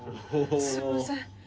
すいません。